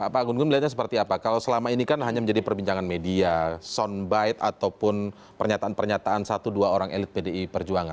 pak gun gun melihatnya seperti apa kalau selama ini kan hanya menjadi perbincangan media soundbite ataupun pernyataan pernyataan satu dua orang elit pdi perjuangan